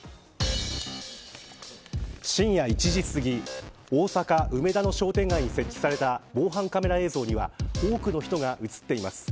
深夜１時すぎ、大阪、梅田の商店街に設置された防犯カメラ映像には多くの人が映っています。